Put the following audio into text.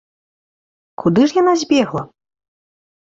Куды ж яна збегла?